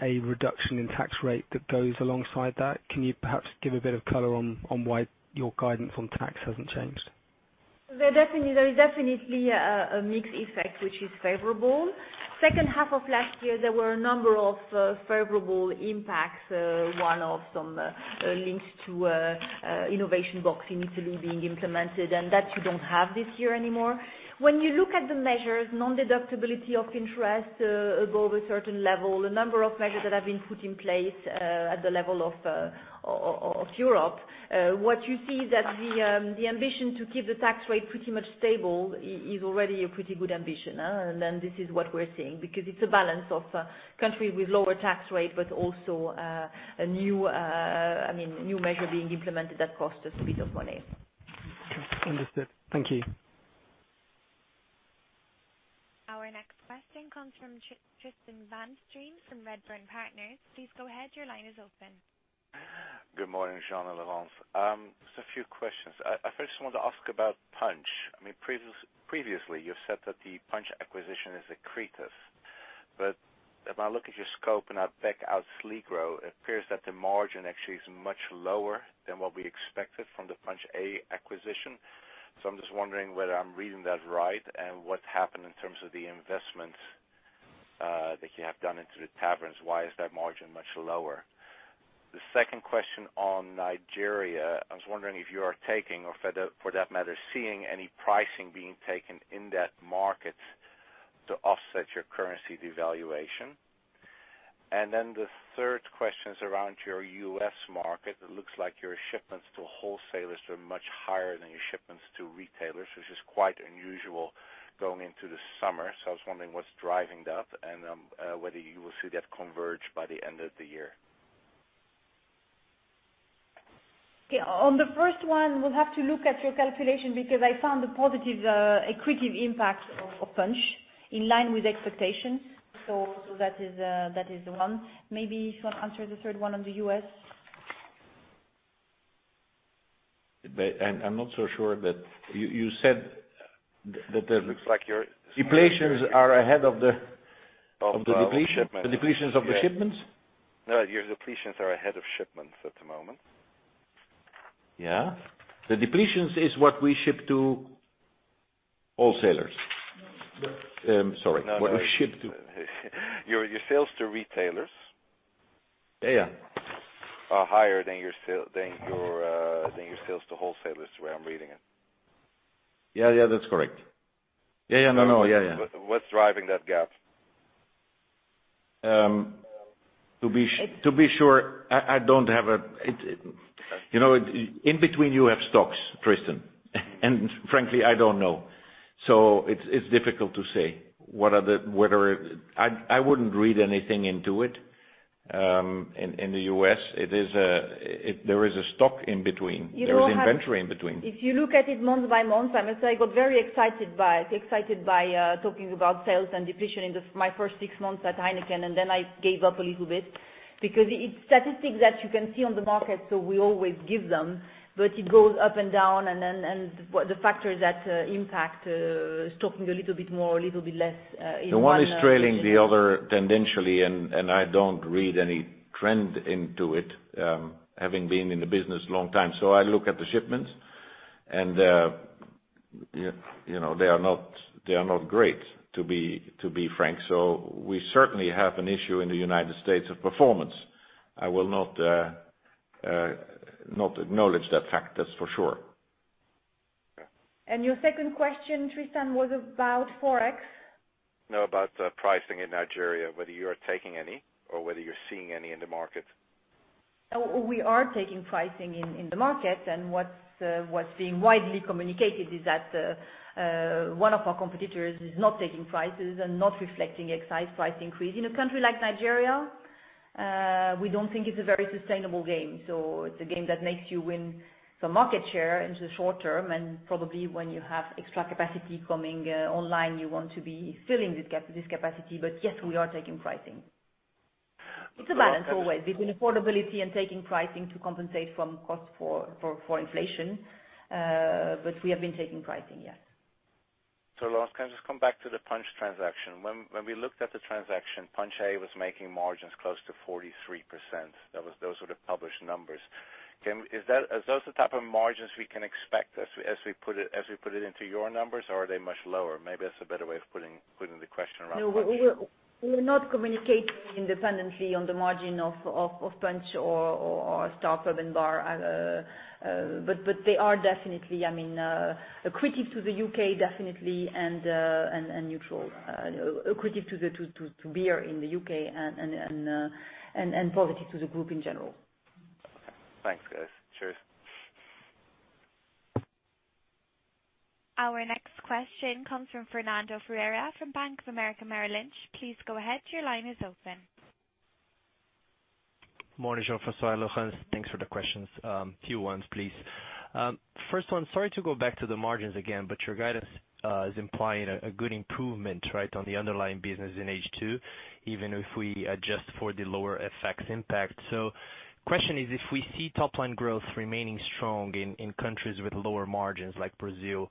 a reduction in tax rate that goes alongside that. Can you perhaps give a bit of color on why your guidance on tax hasn't changed?
There is definitely a mixed effect, which is favorable. Second half of last year, there were a number of favorable impacts. One of some links to innovation box in Italy being implemented and that you don't have this year anymore. When you look at the measures, non-deductibility of interest above a certain level, a number of measures that have been put in place at the level of Europe, what you see is that the ambition to keep the tax rate pretty much stable is already a pretty good ambition. This is what we're seeing, because it's a balance of countries with lower tax rate, but also, a new measure being implemented that cost a bit of money.
Okay. Understood. Thank you.
Our next question comes from Tristan van Strien from Redburn Partners. Please go ahead. Your line is open.
Good morning, Jean and Laurence. Just a few questions. I first want to ask about Punch. Previously, you've said that the Punch acquisition is accretive. If I look at your scope and I back out Sleekro, it appears that the margin actually is much lower than what we expected from the Punch A acquisition. I'm just wondering whether I'm reading that right and what's happened in terms of the investments that you have done into the taverns. Why is that margin much lower? The second question on Nigeria, I was wondering if you are taking or for that matter, seeing any pricing being taken in that market to offset your currency devaluation. The third question is around your U.S. market. It looks like your shipments to wholesalers were much higher than your shipments to retailers, which is quite unusual going into the summer. I was wondering what's driving that and whether you will see that converge by the end of the year.
On the first one, we'll have to look at your calculation because I found a positive accretive impact of Punch in line with expectations. That is the one. Maybe you want to answer the third one on the U.S.
I'm not so sure that you said that.
It looks like your-
depletions are ahead of the depletions of the shipments?
No, your depletions are ahead of shipments at the moment.
Yeah. The depletions is what we ship to wholesalers. Sorry.
Your sales to retailers
Yeah.
Are higher than your sales to wholesalers, the way I'm reading it.
Yeah, that's correct. Yeah.
What's driving that gap?
To be sure, in between you have stocks, Tristan. Frankly, I don't know. It's difficult to say. I wouldn't read anything into it. In the U.S., there is a stock in between. There is inventory in between.
If you look at it month by month, I must say, I got very excited by talking about sales and depletion in my first six months at Heineken. Then I gave up a little bit because it's statistics that you can see on the market, so we always give them, but it goes up and down. The factors that impact, stocking a little bit more, a little bit less in one-
The one is trailing the other tendentially. I don't read any trend into it, having been in the business a long time. I look at the shipments and they are not great, to be frank. We certainly have an issue in the United States of performance. I will not acknowledge that fact, that's for sure.
Your second question, Tristan, was about Forex?
About pricing in Nigeria, whether you're taking any or whether you're seeing any in the market.
We are taking pricing in the market. What's being widely communicated is that one of our competitors is not taking prices and not reflecting excise price increase. In a country like Nigeria, we don't think it's a very sustainable game. It's a game that makes you win some market share into the short term, and probably when you have extra capacity coming online, you want to be filling this capacity. Yes, we are taking pricing. It's a balance always between affordability and taking pricing to compensate from cost for inflation. We have been taking pricing, yes.
Last, can I just come back to the Punch transaction? When we looked at the transaction, Punch A was making margins close to 43%. Those were the published numbers. Are those the type of margins we can expect as we put it into your numbers, or are they much lower? Maybe that's a better way of putting the question around Punch.
We will not communicate independently on the margin of Punch or Star Pubs & Bars. They are definitely accretive to the U.K., definitely, and neutral. Accretive to beer in the U.K. and positive to the group in general.
Okay. Thanks, guys. Cheers.
Our next question comes from Fernando Ferreira from Bank of America Merrill Lynch. Please go ahead. Your line is open.
Morning, Jean-François, Laurence. Thanks for the questions. Two ones, please. First one, sorry to go back to the margins again, your guidance is implying a good improvement on the underlying business in H2, even if we adjust for the lower FX impact. Question is, if we see top-line growth remaining strong in countries with lower margins like Brazil,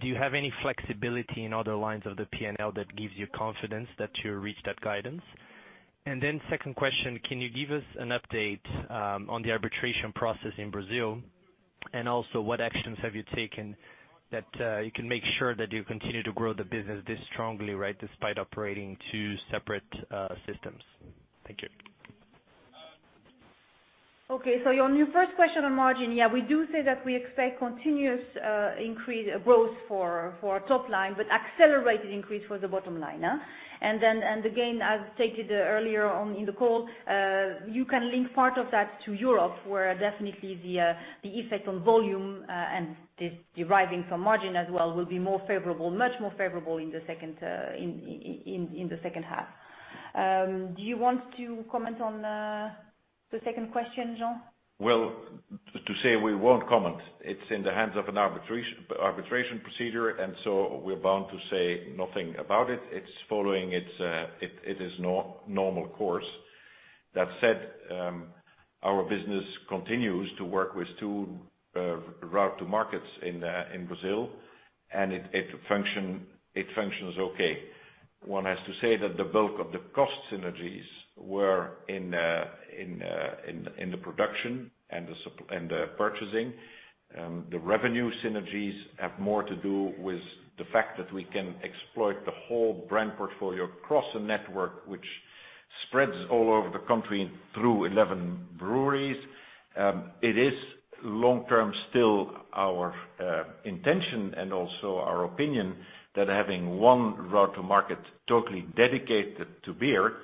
do you have any flexibility in other lines of the P&L that gives you confidence that you'll reach that guidance? Second question, can you give us an update on the arbitration process in Brazil? Also, what actions have you taken that you can make sure that you continue to grow the business this strongly despite operating two separate systems? Thank you.
Okay. On your first question on margin, yeah, we do say that we expect continuous growth for our top line, accelerated increase for the bottom line. Again, as stated earlier on in the call, you can link part of that to Europe, where definitely the effect on volume, and deriving some margin as well, will be much more favorable in the second half. Do you want to comment on the second question, Jean?
Well, to say we won't comment. It's in the hands of an arbitration procedure, and so we're bound to say nothing about it. It's following its normal course. That said, our business continues to work with two route to markets in Brazil, and it functions okay. One has to say that the bulk of the cost synergies were in the production and the purchasing. The revenue synergies have more to do with the fact that we can exploit the whole brand portfolio across a network which spreads all over the country through 11 breweries. It is long-term still our intention and also our opinion that having one route to market totally dedicated to beer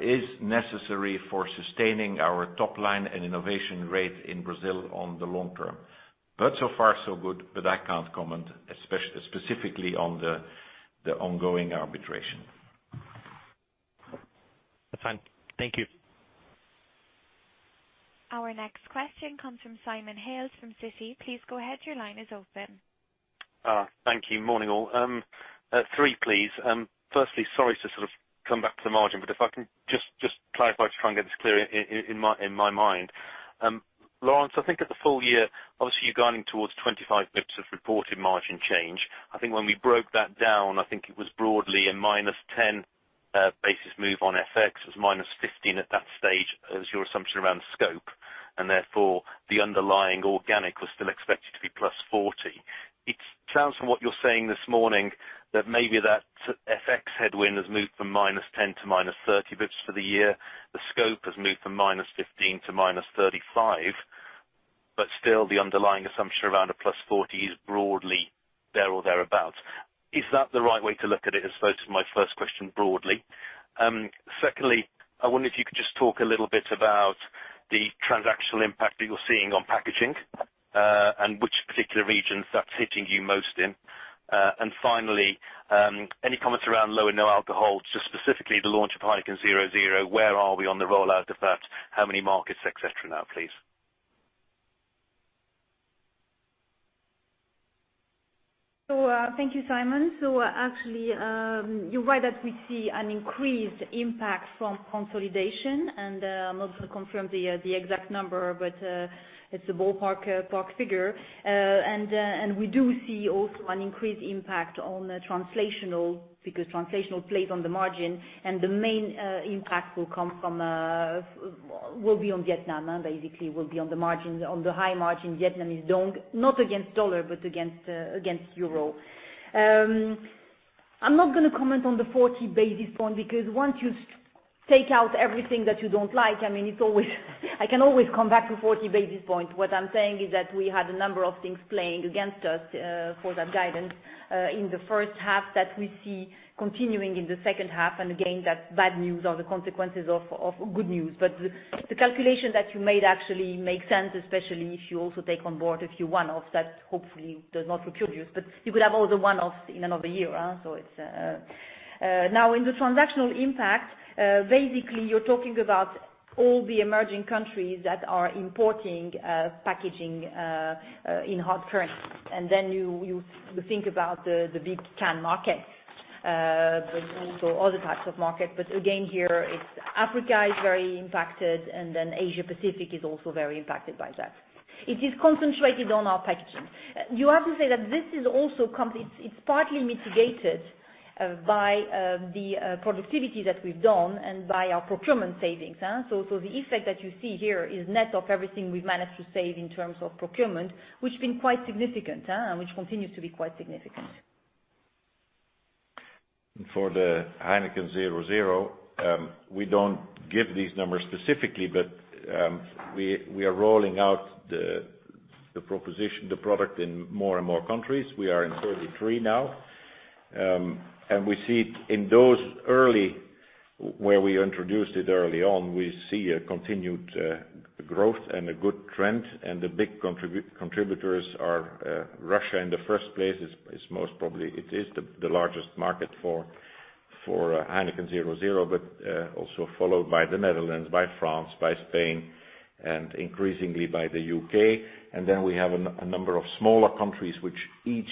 is necessary for sustaining our top line and innovation rate in Brazil on the long term. So far so good, but I can't comment specifically on the ongoing arbitration.
That's fine. Thank you.
Our next question comes from Simon Hales from Citi. Please go ahead, your line is open.
Thank you. Morning, all. Three, please. Firstly, sorry to sort of come back to the margin, but if I can just clarify to try and get this clear in my mind. Laurence, I think at the full year, obviously, you're guiding towards 25 basis points of reported margin change. I think when we broke that down, I think it was broadly a -10 basis points move on FX. It was -15 at that stage as your assumption around scope. Therefore, the underlying organic was still expected to be plus 40. It sounds from what you're saying this morning that maybe that FX headwind has moved from minus 10 to minus 30 basis points for the year. The scope has moved from minus 15 to minus 35, but still the underlying assumption around a plus 40 is broadly there or thereabout. Is that the right way to look at it? I suppose is my first question broadly. Secondly, I wonder if you could just talk a little bit about the transactional impact that you're seeing on packaging, and which particular regions that's hitting you most in. Finally, any comments around low and no alcohol, just specifically the launch of Heineken 0.0%, where are we on the rollout of that? How many markets, et cetera, now, please?
Thank you, Simon. Actually, you're right that we see an increased impact from consolidation. I'm not going to confirm the exact number, but it's a ballpark figure. We do see also an increased impact on the translational, because translational plays on the margin and the main impact will be on Vietnam, basically will be on the high margin Vietnamese đồng, not against dollar but against euro. I'm not going to comment on the 40 basis point because once you take out everything that you don't like, I can always come back to 40 basis points. What I'm saying is that we had a number of things playing against us for that guidance in the first half that we see continuing in the second half, and again, that's bad news or the consequences of good news. The calculation that you made actually makes sense, especially if you also take on board a few one-offs that hopefully does not recur to you, but you could have all the one-offs in another year. Now, in the transactional impact, basically you're talking about all the emerging countries that are importing packaging in hard currency. You think about the big can market. All the types of markets, but again here, Africa is very impacted, Asia Pacific is also very impacted by that. It is concentrated on our packaging. You have to say that this is also partly mitigated by the productivity that we've done and by our procurement savings. The effect that you see here is net of everything we've managed to save in terms of procurement, which has been quite significant, and which continues to be quite significant.
For the Heineken 0.0%, we don't give these numbers specifically, but we are rolling out the product in more and more countries. We are in 33 now. We see it in those early, where we introduced it early on, we see a continued growth and a good trend, and the big contributors are Russia in the first place. It is the largest market for Heineken 0.0%, but also followed by the Netherlands, by France, by Spain, and increasingly by the U.K. We have a number of smaller countries which each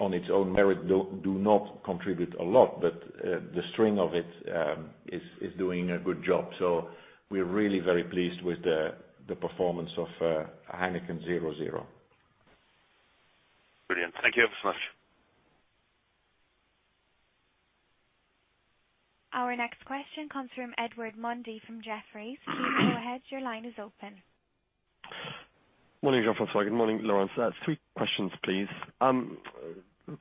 on its own merit do not contribute a lot, but the string of it is doing a good job. We're really very pleased with the performance of Heineken 0.0%.
Brilliant. Thank you ever so much.
Our next question comes from Edward Mundy from Jefferies. Please go ahead. Your line is open.
Morning, Jean-François. Good morning, Laurence. Three questions, please.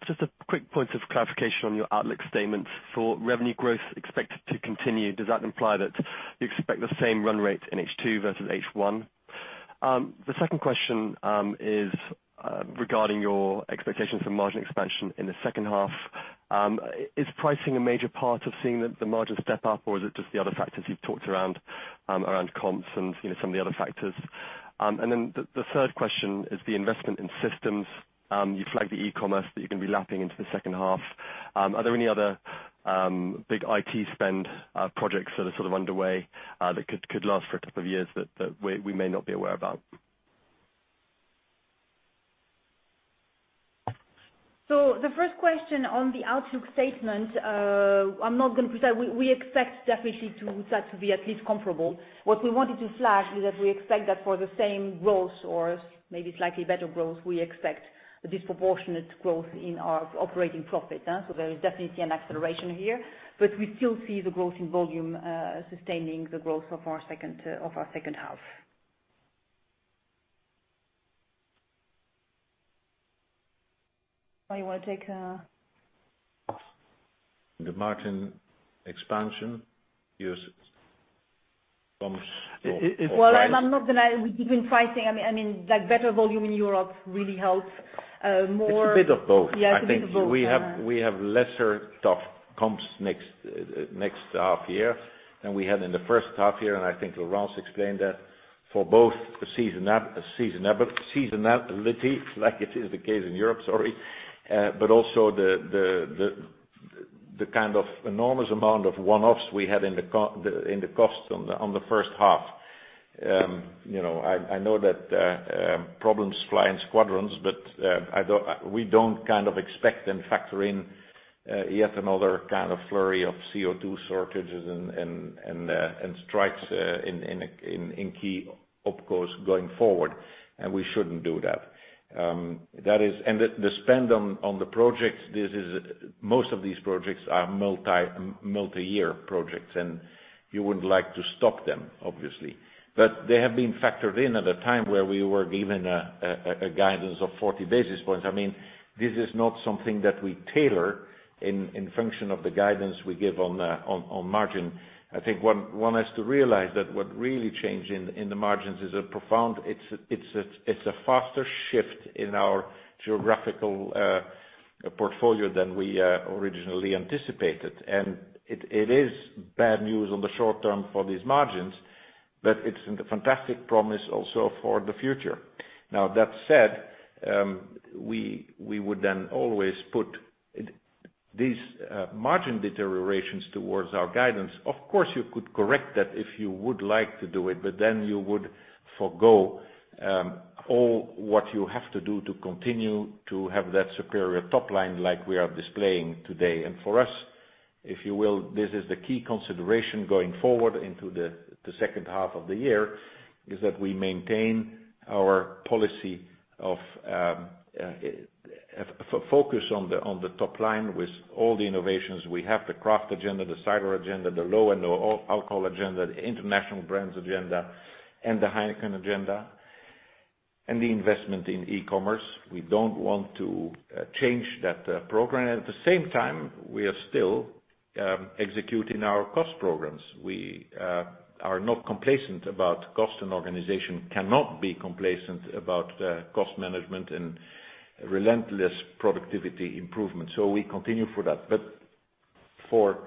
Just a quick point of clarification on your outlook statements for revenue growth expected to continue. Does that imply that you expect the same run rate in H2 versus H1? The second question is regarding your expectations for margin expansion in the second half. Is pricing a major part of seeing the margin step up or is it just the other factors you've talked around comps and some of the other factors? The third question is the investment in systems. You flagged the e-commerce that you're going to be lapping into the second half. Are there any other big IT spend projects that are sort of underway that could last for a couple of years that we may not be aware about?
The first question on the outlook statement, I'm not going to pretend. We expect definitely that to be at least comparable. What we wanted to flag is that we expect that for the same growth or maybe slightly better growth, we expect a disproportionate growth in our operating profit. There is definitely an acceleration here, but we still see the growth in volume sustaining the growth of our second half. Jean, you want to take?
The margin expansion comes from price.
Well, I'm not denying. With even pricing, better volume in Europe really helps more.
It's a bit of both.
Yeah, it's a bit of both.
I think we have lesser tough comps next half year than we had in the first half year. I think Laurence explained that for both seasonality like it is the case in Europe, sorry, but also the kind of enormous amount of one-offs we had in the cost on the first half. I know that problems fly in squadrons, but we don't expect and factor in yet another kind of flurry of CO2 shortages and strikes in key OpCos going forward, and we shouldn't do that. The spend on the projects, most of these projects are multi-year projects, and you wouldn't like to stop them, obviously. They have been factored in at a time where we were given a guidance of 40 basis points. This is not something that we tailor in function of the guidance we give on margin. I think one has to realize that what really changed in the margins is a profound, it's a faster shift in our geographical portfolio than we originally anticipated. It is bad news on the short term for these margins, but it's a fantastic promise also for the future. Now, that said, we would then always put these margin deteriorations towards our guidance. Of course, you could correct that if you would like to do it, but then you would forego all what you have to do to continue to have that superior top line like we are displaying today. For us, if you will, this is the key consideration going forward into the second half of the year, is that we maintain our policy of focus on the top line with all the innovations we have, the craft agenda, the cider agenda, the low and no alcohol agenda, the international brands agenda, and the Heineken agenda, and the investment in e-commerce. We don't want to change that program. At the same time, we are still executing our cost programs. We are not complacent about cost and organization, cannot be complacent about cost management and relentless productivity improvement. We continue for that. For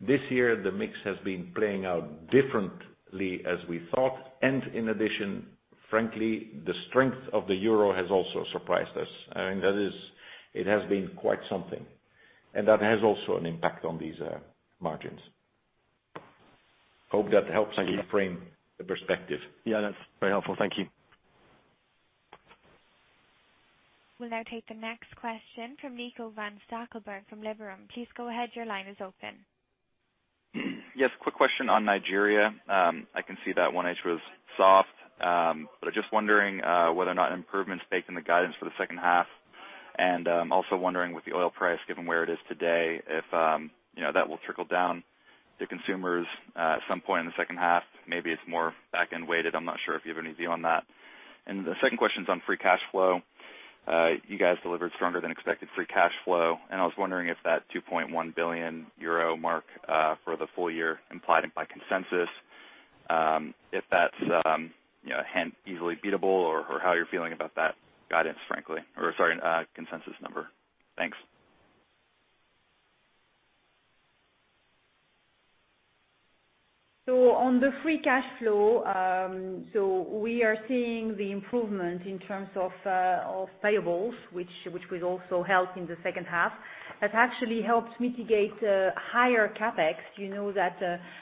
this year, the mix has been playing out differently as we thought. In addition, frankly, the strength of the Euro has also surprised us. It has been quite something. That has also an impact on these margins. Hope that helps.
Thank you.
frame the perspective.
Yeah, that's very helpful. Thank you.
We'll now take the next question from Nico von Stackelberg from Liberum. Please go ahead, your line is open.
Yes, quick question on Nigeria. I can see that 1H was soft. Just wondering whether or not improvements baked in the guidance for the second half, and also wondering with the oil price, given where it is today, if that will trickle down to consumers at some point in the second half, maybe it's more back-end weighted. I'm not sure if you have any view on that. The second question is on free cash flow. You guys delivered stronger than expected free cash flow, and I was wondering if that 2.1 billion euro mark for the full year implied by consensus, if that's a hint easily beatable or how you're feeling about that guidance, frankly. Or sorry, consensus number. Thanks.
On the free cash flow, we are seeing the improvement in terms of payables, which we also held in the second half. That actually helped mitigate higher CapEx. You know that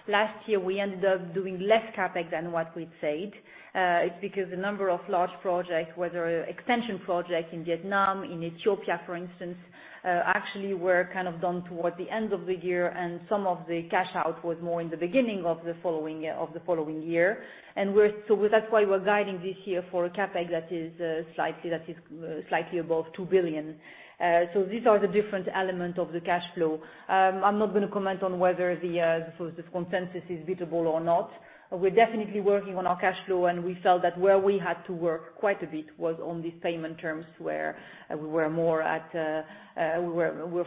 last year we ended up doing less CapEx than what we'd said. It's because a number of large projects, whether extension projects in Vietnam, in Ethiopia, for instance, actually were kind of done towards the end of the year, and some of the cash out was more in the beginning of the following year. That's why we're guiding this year for a CapEx that is slightly above 2 billion. These are the different elements of the cash flow. I'm not going to comment on whether the consensus is beatable or not. We're definitely working on our cash flow, and we felt that where we had to work quite a bit was on the payment terms where we're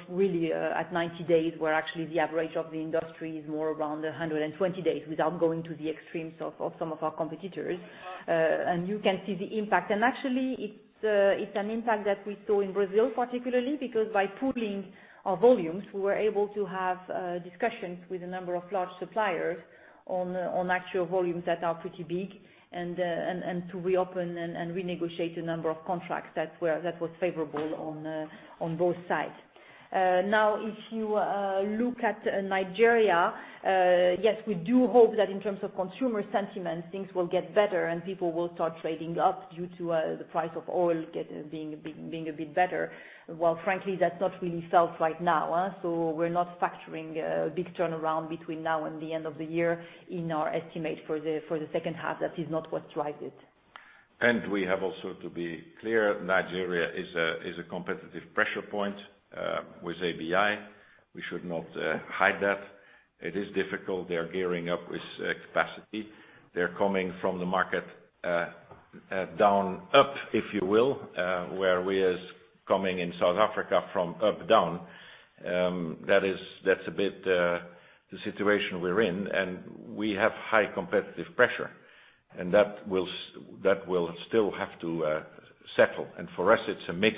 really at 90 days, where actually the average of the industry is more around 120 days without going to the extremes of some of our competitors. You can see the impact. Actually it's an impact that we saw in Brazil, particularly, because by pooling our volumes, we were able to have discussions with a number of large suppliers on actual volumes that are pretty big and to reopen and renegotiate a number of contracts that was favorable on both sides. If you look at Nigeria, yes, we do hope that in terms of consumer sentiment, things will get better and people will start trading up due to the price of oil being a bit better. While frankly, that's not really felt right now. We're not factoring a big turnaround between now and the end of the year in our estimate for the second half. That is not what drives it.
We have also to be clear, Nigeria is a competitive pressure point, with ABI. We should not hide that. It is difficult. They're gearing up with capacity. They're coming from the market down, up, if you will, where we are coming in South Africa from up, down. That's a bit the situation we're in, and we have high competitive pressure. That will still have to settle. For us, it's a mix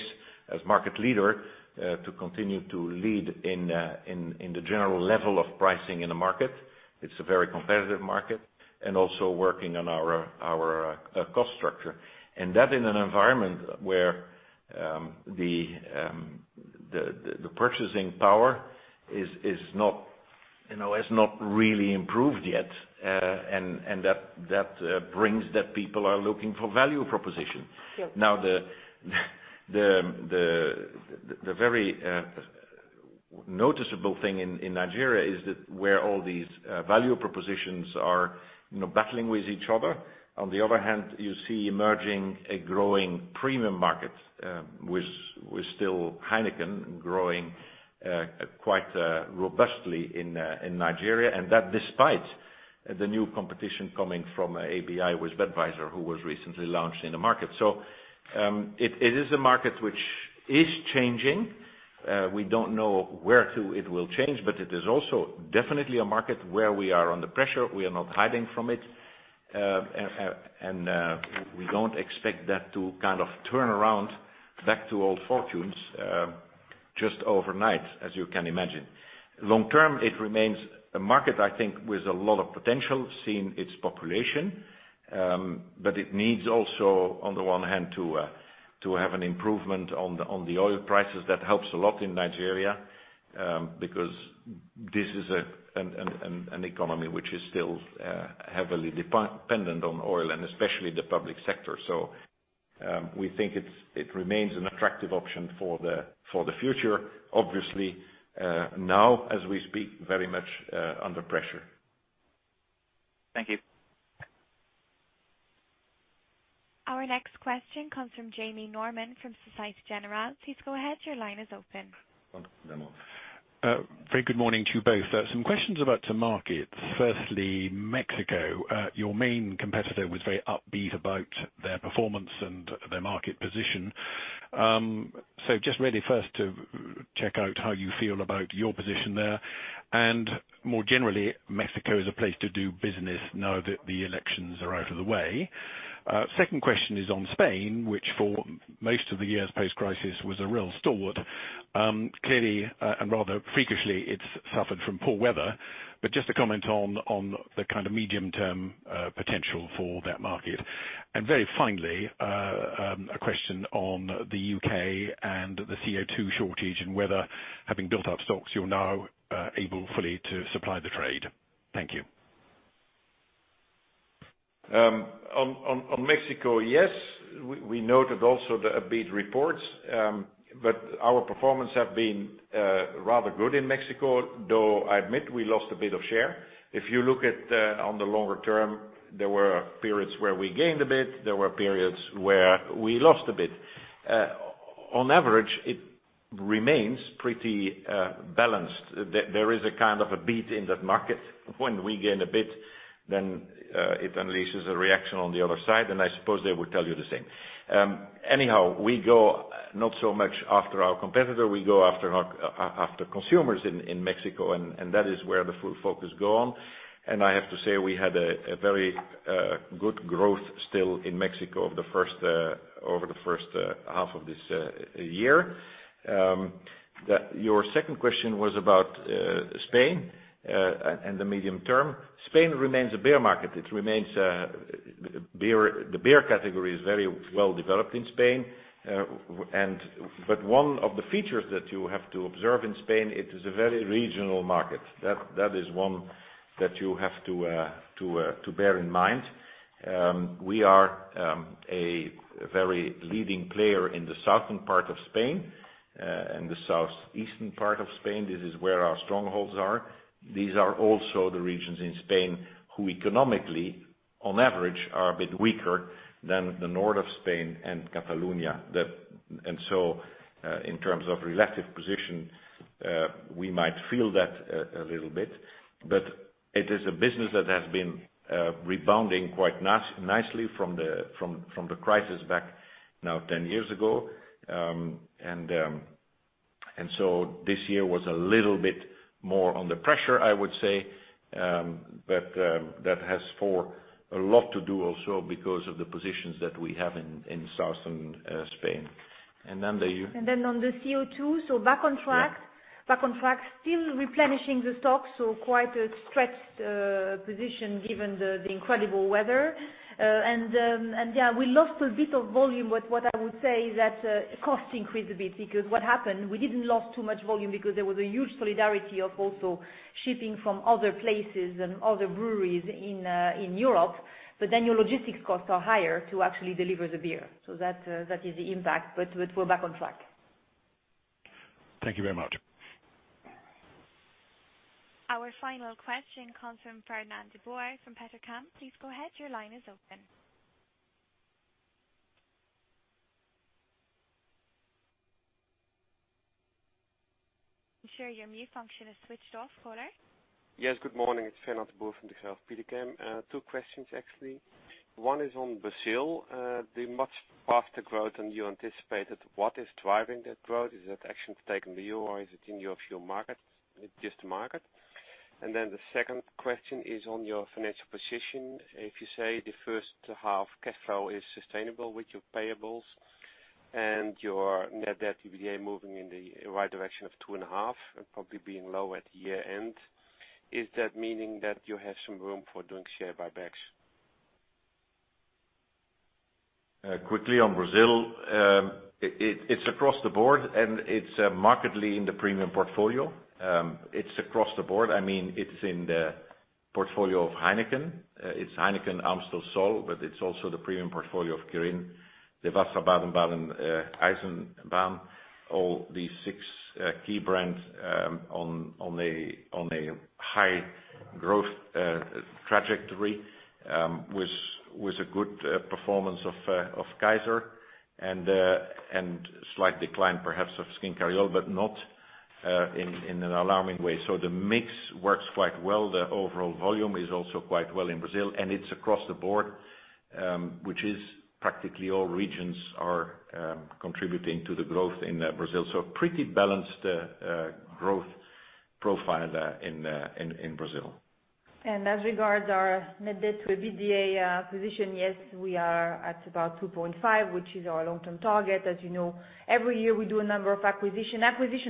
as market leader, to continue to lead in the general level of pricing in the market. It's a very competitive market and also working on our cost structure. That in an environment where the purchasing power has not really improved yet. That brings that people are looking for value proposition.
Yes.
The very noticeable thing in Nigeria is that where all these value propositions are battling with each other. On the other hand, you see emerging a growing premium market, with still Heineken growing quite robustly in Nigeria, and that despite the new competition coming from ABI with Budweiser, who was recently launched in the market. It is a market which is changing. We don't know where it will change, but it is also definitely a market where we are under pressure. We are not hiding from it. We don't expect that to kind of turn around back to old fortunes just overnight, as you can imagine. Long term, it remains a market, I think, with a lot of potential, seeing its population. It needs also, on the one hand, to have an improvement on the oil prices. That helps a lot in Nigeria, because this is an economy which is still heavily dependent on oil and especially the public sector. We think it remains an attractive option for the future. Obviously, now, as we speak, very much under pressure.
Thank you.
Our next question comes from Jamie Norman from Société Générale. Please go ahead. Your line is open.
Very good morning to you both. Some questions about the markets. Firstly, Mexico. Your main competitor was very upbeat about their performance and their market position. Just really first to check out how you feel about your position there. More generally, Mexico as a place to do business now that the elections are out of the way. Second question is on Spain, which for most of the years post-crisis was a real stalwart. Clearly, and rather freakishly, it has suffered from poor weather. Just a comment on the kind of medium-term potential for that market. Very finally, a question on the U.K. and the CO2 shortage and whether having built up stocks, you are now able fully to supply the trade. Thank you.
On Mexico, yes, we noted also the upbeat reports. Our performance have been rather good in Mexico, though I admit we lost a bit of share. If you look at on the longer term, there were periods where we gained a bit, there were periods where we lost a bit. On average, it remains pretty balanced. There is a kind of a beat in that market. When we gain a bit, then it unleashes a reaction on the other side, I suppose they would tell you the same. Anyhow, we go not so much after our competitor, we go after consumers in Mexico, and that is where the full focus go on. I have to say, we had a very good growth still in Mexico over the first half of this year. Your second question was about Spain and the medium term. Spain remains a beer market. The beer category is very well developed in Spain. One of the features that you have to observe in Spain, it is a very regional market. That is one that you have to bear in mind. We are a very leading player in the southern part of Spain and the southeastern part of Spain. This is where our strongholds are. These are also the regions in Spain who economically, on average, are a bit weaker than the north of Spain and Catalunya. In terms of relative position, we might feel that a little bit. It is a business that has been rebounding quite nicely from the crisis back now 10 years ago. This year was a little bit more under pressure, I would say. That has for a lot to do also because of the positions that we have in southern Spain. The
On the CO2, back on track.
Yeah.
Back on track. Still replenishing the stocks, quite a stretched position given the incredible weather. Yeah, we lost a bit of volume, but what I would say is that cost increased a bit. What happened, we didn't lose too much volume because there was a huge solidarity of also shipping from other places and other breweries in Europe. Your logistics costs are higher to actually deliver the beer. That is the impact, but we're back on track.
Thank you very much.
Our final question comes from Fernand de Boer from Petercam. Please go ahead. Your line is open. Make sure your mute function is switched off, Fernand.
Yes, good morning. It is Fernand de Boer from Degroof Petercam. Two questions, actually. One is on Brazil. The much faster growth than you anticipated. What is driving that growth? Is that action taken by you or is it in your view market, just the market? The second question is on your financial position. If you say the first half cash flow is sustainable with your payables and your net debt, EBITDA moving in the right direction of 2.5 and probably being lower at year-end, is that meaning that you have some room for doing share buybacks?
Quickly on Brazil, it is across the board, and it is markedly in the premium portfolio. It is across the board. It is in the portfolio of Heineken. It is Heineken, Amstel, Sol, but it is also the premium portfolio of Kirin, Devassa, Baden Baden, Eisenbahn, all these six key brands on a high growth trajectory, with a good performance of Kaiser and slight decline perhaps of Schincariol, but not in an alarming way. The mix works quite well. The overall volume is also quite well in Brazil, and it is across the board, which is practically all regions are contributing to the growth in Brazil. Pretty balanced growth profile in Brazil.
As regards our net debt to EBITDA position, yes, we are at about 2.5, which is our long-term target. As you know, every year we do a number of acquisition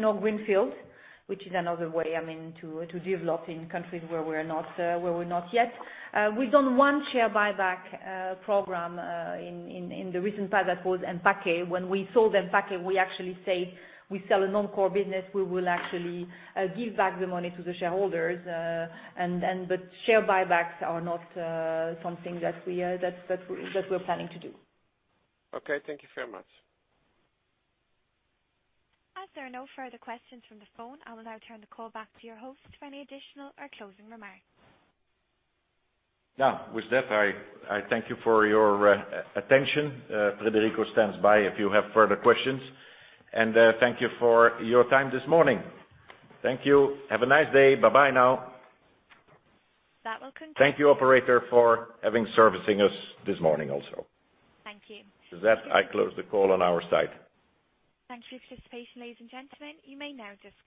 or greenfield, which is another way to develop in countries where we are not yet. We have done one share buyback program in the recent past. That was Empaque. When we sold Empaque, we actually say we sell a non-core business, we will actually give back the money to the shareholders. Share buybacks are not something that we are planning to do.
Okay. Thank you very much.
As there are no further questions from the phone, I will now turn the call back to your host for any additional or closing remarks.
With that, I thank you for your attention. Federico stands by if you have further questions. Thank you for your time this morning. Thank you. Have a nice day. Bye now.
That will conclude-
Thank you, operator, for having servicing us this morning also.
Thank you.
With that, I close the call on our side.
Thank you for your participation, ladies and gentlemen. You may now disconnect.